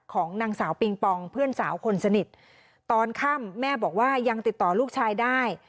ของนางสาวปิงปองเพื่อนสาวคนสนิทตอนค่ำแม่บอกว่ายังติดต่อลูกชายได้